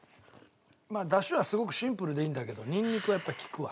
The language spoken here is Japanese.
ダシはすごくシンプルでいいんだけどニンニクはやっぱきくわ。